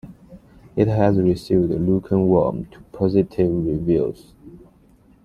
It has received lukewarm to positive reviews.